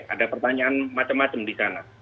ada pertanyaan macam macam di sana